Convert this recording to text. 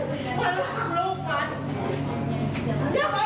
มันทำหวานกูทำไม